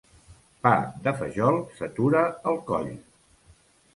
Pa de fajol s'atura al coll.